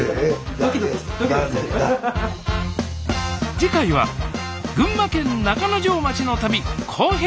次回は群馬県中之条町の旅後編！